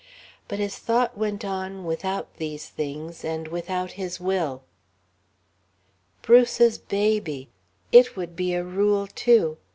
But his thought went on without these things and without his will. Bruce's baby! It would be a Rule, too....